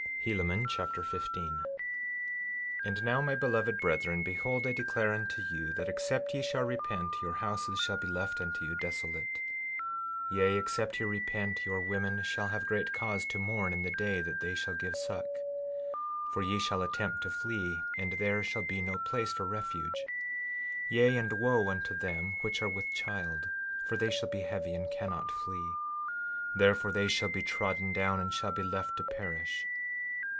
Helaman Chapter 15 15:1 And now, my beloved brethren, behold, I declare unto you that except ye shall repent your houses shall be left unto you desolate. 15:2 Yea, except ye repent, your women shall have great cause to mourn in the day that they shall give suck; for ye shall attempt to flee and there shall be no place for refuge; yea, and wo unto them which are with child, for they shall be heavy and cannot flee; therefore, they shall be trodden down and shall be left to perish.